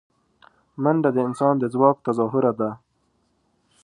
منډه د انسان د ځواک تظاهره ده